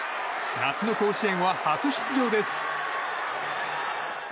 夏の甲子園は初出場です。